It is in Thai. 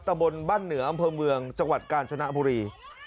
ตะบนบ้านเหนืออำเภอเมืองจังหวัดกาญจนบุรี